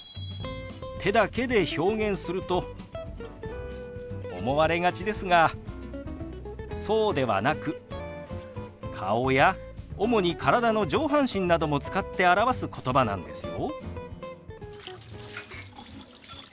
手だけで表現すると思われがちですがそうではなく顔や主に体の上半身なども使って表すことばなんですよ。